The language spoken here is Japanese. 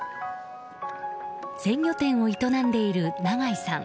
鮮魚店を営んでいる永井さん。